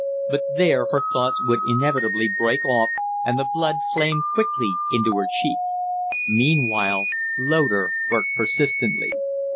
But there her thoughts would inevitably break off and the blood flame quickly into her cheek. Meanwhile Loder worked persistently.